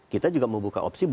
kita juga mau buka opsi